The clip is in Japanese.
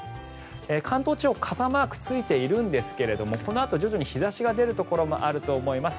関東地方傘マークついているんですがこのあと徐々に日差しが出るところもあると思います。